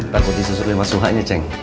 takut disesulih mas suha nya ceng